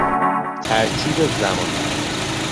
ترتیب زمانی